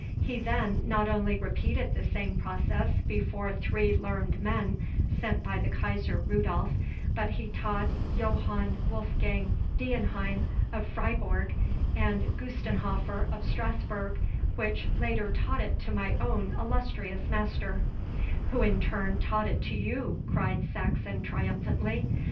He then not only repeated the same process before three learned men sent by the Kaiser Rudolph, but he taught Johann Wolfgang Dienheim of Freibourg, and Gustenhofer of Strasburg, which latter taught it to my own illustrious master ' 'Who in turn taught it to you,' cried Saxon triumphantly.